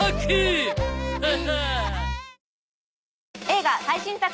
映画最新作。